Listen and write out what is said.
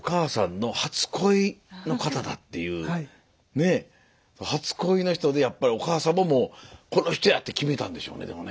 ねえ初恋の人でやっぱりお母様も「この人や！」って決めたんでしょうねでもね。